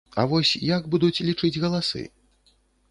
А вось як будуць лічыць галасы?